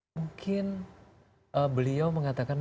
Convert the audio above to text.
mungkin beliau mengatakan